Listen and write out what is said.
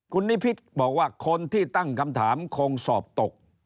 คุณนิพิษบอกว่าคนที่ตั้งคำถามคงสอบตก